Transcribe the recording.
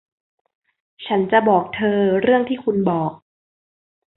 ฉันจะบอกเธอเรื่องที่คุณบอก